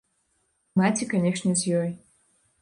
Маці, канешне, з ёй.